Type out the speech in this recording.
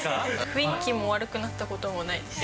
雰囲気が悪くなったこともないです。